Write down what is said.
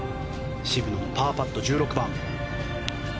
渋野のパーパット、１６番。